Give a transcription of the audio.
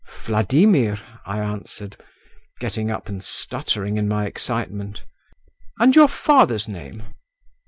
"Vladimir," I answered, getting up, and stuttering in my excitement. "And your father's name?"